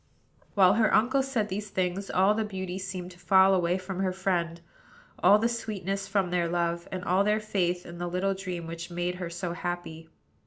While her uncle said these things, all the beauty seemed to fall away from her friend, all the sweetness from their love, and all her faith in the little dream which had made her so happy.